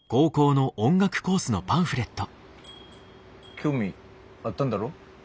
興味あったんだろ？